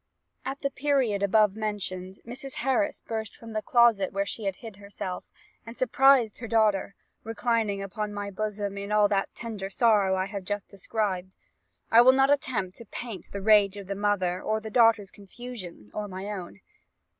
"At the period then above mentioned, Mrs. Harris burst from the closet where she had hid herself, and surprised her daughter, reclining on my bosom in all that tender sorrow I have just described. I will not attempt to paint the rage of the mother, or the daughter's confusion, or my own.